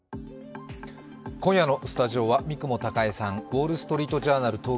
今夜のスタジオは三雲孝江さん、「ウォール・ストリート・ジャーナル」